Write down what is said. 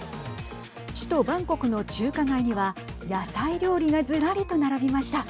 首都バンコクの中華街には野菜料理がずらりと並びました。